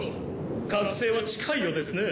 覚醒は近いようですね。